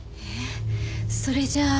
それじゃ。